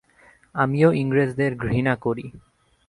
আমিও ইংরেজদের ঘৃনা করি।